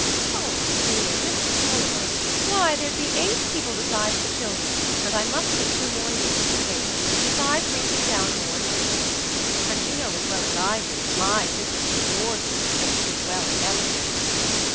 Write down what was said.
"Oh, dear, Mr Tulliver, why, there'd be eight people besides the children, and I must put two more leaves i' the table, besides reaching down more o' the dinner service; and you know as well as I do as my sisters and your sister don't suit well together."